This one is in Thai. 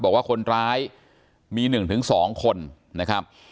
บอกว่าคนร้ายมี๑๒คนนะครับ